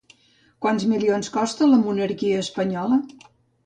Quants milions costa la monarquia espanyola?